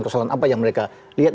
kesalahan apa yang mereka lihat